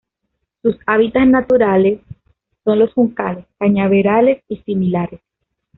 Sus hábitats naturales son los juncales, cañaverales y similares.